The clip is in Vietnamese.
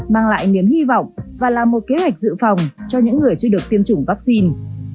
mang lại niềm hy vọng và là một kế hoạch dự phòng cho những người chưa được tiêm chủng vaccine